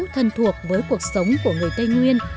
thân thuộc với cuộc sống của người tây nguyên